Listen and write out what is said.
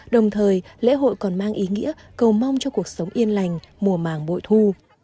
đồng thời lễ hội còn mang ý nghĩa cầu mong cho cuộc sống yên lành mùa màng bội thu